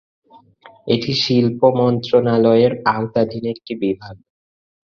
এটি শিল্প মন্ত্রণালয়ের আওতাধীন একটি বিভাগ।